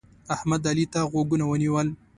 احمد؛ علي ته غوږونه ونیول.